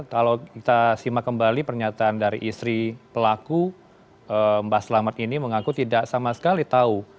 kalau kita simak kembali pernyataan dari istri pelaku mbak selamat ini mengaku tidak sama sekali tahu